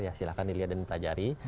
ya silahkan dilihat dan dipelajari